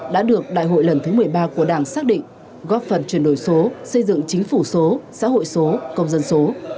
đã được đại hội lần thứ một mươi ba của đảng xác định góp phần chuyển đổi số xây dựng chính phủ số xã hội số công dân số